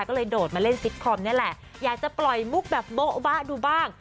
ก็เลยโดดมาเล่นซิตคอมนี่แหละอยากจะปล่อยมุกแบบโบ๊ะบะดูบ้าง